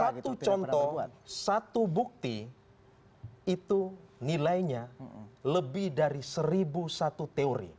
karena satu contoh satu bukti itu nilainya lebih dari seribu satu teori